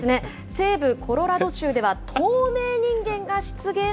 西部コロラド州では透明人間が出現？